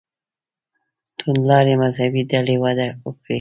توندلارې مذهبي ډلې وده وکړي.